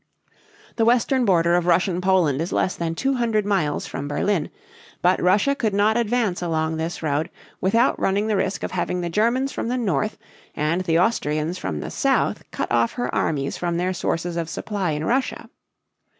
The western border of Russian Poland is less than two hundred miles from Berlin. But Russia could not advance along this road without running the risk of having the Germans from the north and the Austrians from the south cut off her armies from their sources of supply in Russia.